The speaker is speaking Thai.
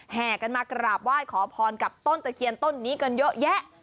แห่กันมากราบไหว้ขอพรกับต้นตะเคียนต้นนี้กันเยอะแยะ